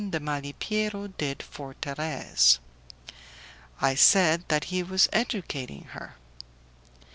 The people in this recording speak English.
de Malipiero did for Thérèse. I said that he was educating her.